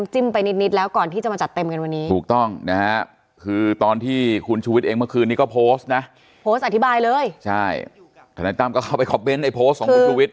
จิ้มไปนิดแล้วก่อนที่จะมาจัดเต็มกันตอนนี้